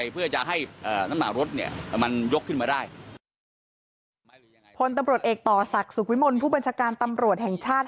พลตำรวจเอกต่อศักดิ์สุขวิมลผู้บัญชการตำรวจแห่งชาติ